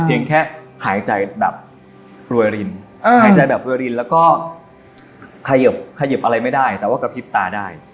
แค่หายใจแบบรวยรินหายใจแบบรวยรินแล้วก็ขยิบอะไรไม่ได้แต่ว่ากระพริบตาได้